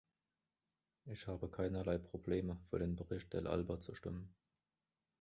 Ich habe keinerlei Probleme, für den Bericht Dell' Alba zu stimmen.